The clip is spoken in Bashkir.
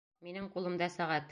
Минең ҡулымда сәғәт.